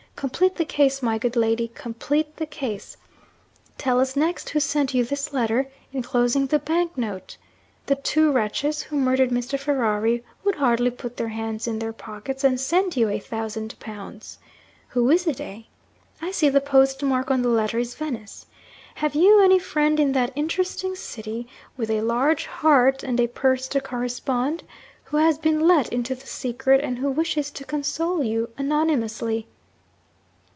Complete the case, my good lady complete the case. Tell us next who sent you this letter, enclosing the bank note. The "two wretches" who murdered Mr. Ferrari would hardly put their hands in their pockets and send you a thousand pounds. Who is it eh? I see the post mark on the letter is "Venice." Have you any friend in that interesting city, with a large heart, and a purse to correspond, who has been let into the secret and who wishes to console you anonymously?'